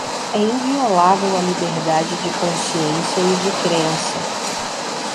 é inviolável a liberdade de consciência e de crença